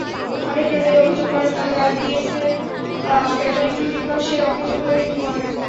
অনেক ক্রেতাই অভিযোগ করেন, তাঁদের আইপিএসের ব্যাটারি দু-তিন মাসেই অকেজো হয়ে পড়ে।